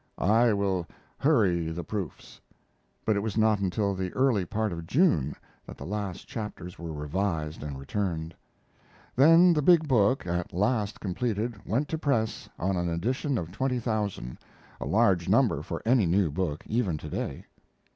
I will hurry the proofs"; but it was not until the early part of June that the last chapters were revised and returned. Then the big book, at last completed, went to press on an edition of twenty thousand, a large number for any new book, even to day.